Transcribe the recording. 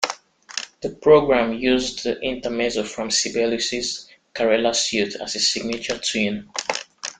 The programme used the Intermezzo from Sibelius's "Karelia Suite" as a signature tune.